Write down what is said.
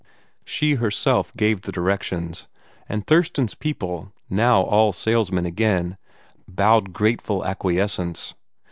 She herself gave the directions, and Thurston's people, now all salesmen again, bowed grateful acquiescence.